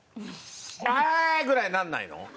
「ああーっ！」ぐらいになんないの？